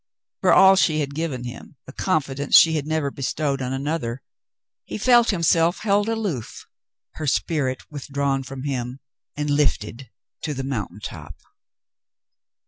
For all she had given him a confidence she had never bestowed on another, he felt himself held aloof, her spirit withdrawn from him and lifted to the mountain top.